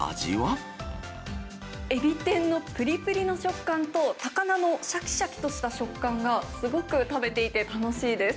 エビ天のぷりぷりの食感と、高菜のしゃきしゃきとした食感が、すごく食べていて楽しいです。